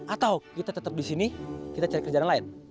atau kita tetep disini kita cari kerjaan lain